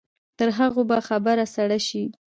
تر هغو به خبره سړه شي.